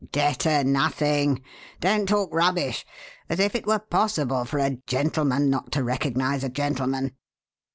"Debtor nothing! Don't talk rubbish. As if it were possible for a gentleman not to recognize a gentleman!"